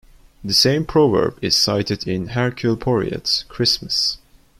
The same proverb is cited in "Hercule Poirot's Christmas".